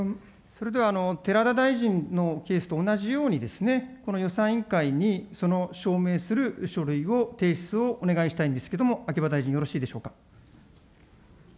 それでは寺田大臣のケースと同じようにですね、この予算委員会にその証明する書類を提出をお願いしたいんですけれども、秋葉大臣、よろしいでしょうか。